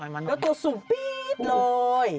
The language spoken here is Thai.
แล้วตัวสูงปี๊ดเลย